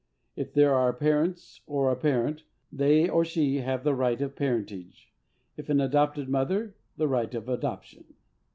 If there are parents, or a parent, they or she have the right of parentage; if an adopted mother, the right of adoption.